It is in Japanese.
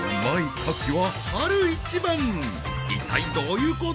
一体どういうこと？